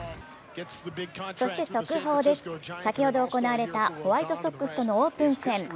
そして速報です、先ほど行われたホワイトソックスとのオープン戦。